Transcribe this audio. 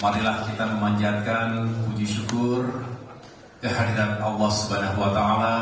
marilah kita memanjatkan puji syukur kehadiran allah swt